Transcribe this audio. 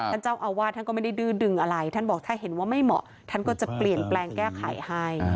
ท่านเจ้าอาวาสท่านก็ไม่ได้ดื้อดึงอะไรท่านบอกถ้าเห็นว่าไม่เหมาะท่านก็จะเปลี่ยนแปลงแก้ไขให้